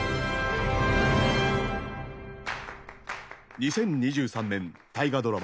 ２０２３年大河ドラマ